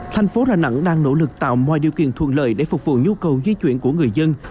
thành phố đà nẵng đang nỗ lực tạo mọi điều kiện thuận lợi để phục vụ nhu cầu di chuyển của người dân